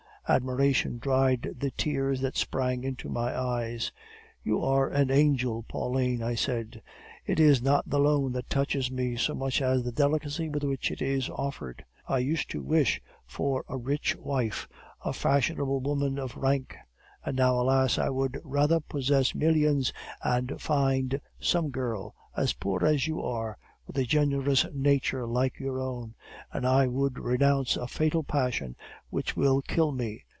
Admiration dried the tears that sprang to my eyes. "'You are an angel, Pauline,' I said. 'It is not the loan that touches me so much as the delicacy with which it is offered. I used to wish for a rich wife, a fashionable woman of rank; and now, alas! I would rather possess millions, and find some girl, as poor as you are, with a generous nature like your own; and I would renounce a fatal passion which will kill me.